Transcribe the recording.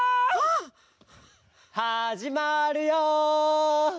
はじまるよ！